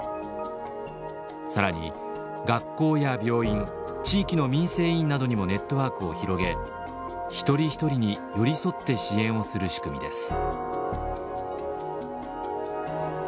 更に学校や病院地域の民生委員などにもネットワークを広げ一人一人に寄り添って支援をする仕組みです。